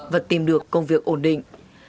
và tìm được công việc ổn định